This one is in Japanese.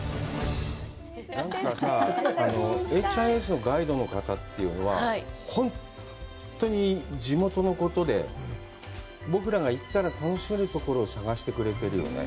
ＨＩＳのガイドの方というのは、本当に地元のことで、僕が行ったら楽しめるところを探してくれてるよね。